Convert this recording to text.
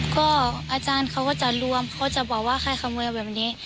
ก็อาจารย์เขาก็จะรวมเขาจะบอกว่าใครขโมยแบบนี้